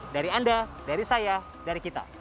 dari anda dari saya dari kita